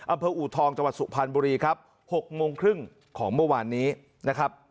อูทองจังหวัดสุพรรณบุรีครับ๖โมงครึ่งของเมื่อวานนี้นะครับ